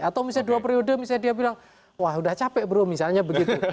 atau misalnya dua periode misalnya dia bilang wah udah capek bro misalnya begitu